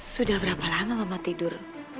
sudah berapa lama mama tidur